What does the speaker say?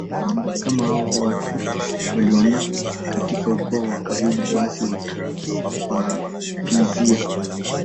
kama hawa watu walioana katika ukoo wa karibu basi watawaapizia